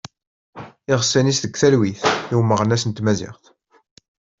Iɣsan-is deg talwit i umeɣnas n tmaziɣt.